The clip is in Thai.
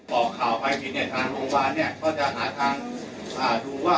ออกข่าวไปทีเนี่ยทางโรงพยาบาลเนี่ยก็จะหาทางดูว่า